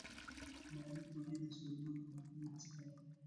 ماري کوري د سوربون پوهنتون محصله وه.